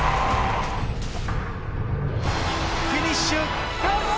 フィニッシュ！